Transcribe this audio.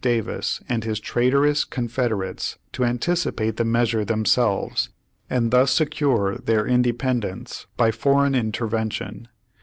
Davis and his traitorous Con federates to anticipate the measure themselves, and thus secure their independence by foreign in tervention.